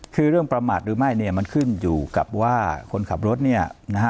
คือเรื่องประมาทหรือไม่เนี่ยมันขึ้นอยู่กับว่าคนขับรถเนี่ยนะฮะ